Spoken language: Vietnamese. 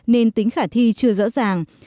nên tính khả thi chưa rõ ràng